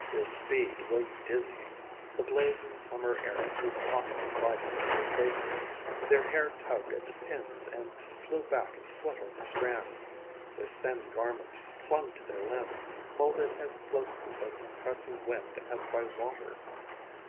Their speed was dizzying. The blazing summer air blew hot and vital in their faces; their hair tugged at the pins and flew back in fluttering strands; their thin garments clung to their limbs, molded as closely by the compressing wind as by water.